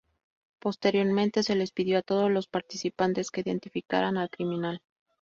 Posteriormente se les pidió a todos los participantes que identificaran al criminal.